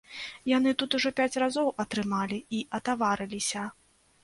Яны тут ужо пяць разоў атрымалі і атаварыліся.